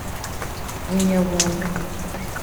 Bunyabungo